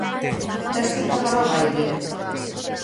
Tes cita para o baile?